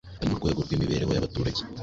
ari mu rwego rw'imibereho y'abaturage.